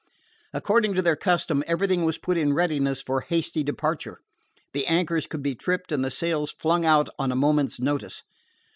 According to their custom, everything was put in readiness for hasty departure. The anchors could be tripped and the sails flung out on a moment's notice.